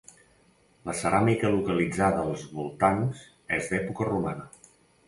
La ceràmica localitzada als voltants és d'època romana.